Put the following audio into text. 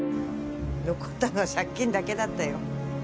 残ったのは借金だけだったよ。